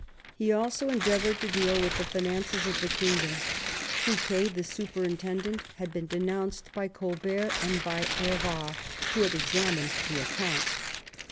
He also endeavoured to deal with the finances of the kingdom. Fouquet, the superintendent, had been denounced by Colbert and by Hervart, who had examined the accounts.